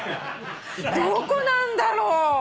どこなんだろう？